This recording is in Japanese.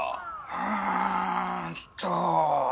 うーんと。